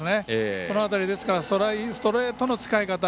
その辺りのストレートの使い方。